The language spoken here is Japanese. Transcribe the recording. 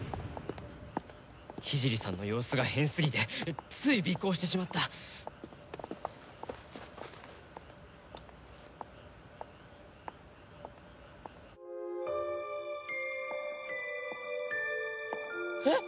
聖さんの様子が変すぎてつい尾行してしまったえっ！？